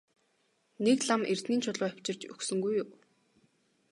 Нэг лам эрдэнийн чулуу авчирч өгсөнгүй юу?